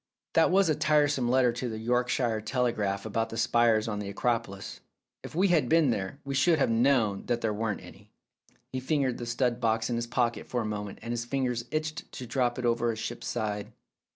That was a tiresome letter to the Yorkshire Telegraph about the spires on the Acropolis. If we had been there, we should have known that there weren't any." He fingered the stud box in his pocket for a moment, and his fingers itched to drop it over a ship's side.